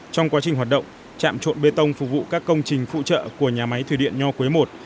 trong quá trình hoạt động trạm trộn bê tông phục vụ các công trình phụ trợ của nhà máy thủy điện nho quế i